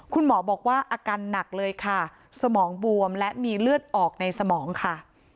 ขอแข่งพ่อหน่อยพ่อเข้ามาที่ครับค่ะ